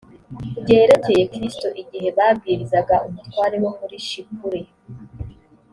byerekeye kristo igihe babwirizaga umutware wo muri shipure